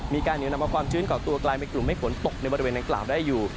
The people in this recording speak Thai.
มีการยืนออกมาความชื้นกล่องตัวกลายในกลุ่มให้ฝนตกในบริเวณในกล่าวได้อยู่